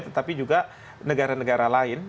tetapi juga negara negara lain